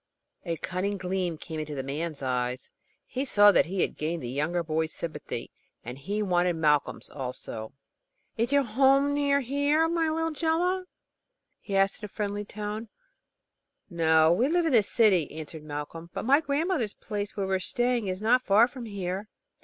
A cunning gleam came into the man's eyes. He saw that he had gained the younger boy's sympathy, and he wanted Malcolm's also. "Is your home near here, my little gen'leman?" he asked, in a friendly tone. "No, we live in the city," answered Malcolm, "but my grandmother's place, where we are staying, is not far from here."